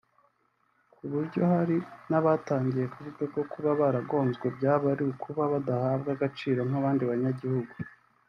kuburyo hari n’abatangiye kuvuga ko kuba baragonzwe byaba ari uko badahabwa agaciro nk’abandi banyagihugu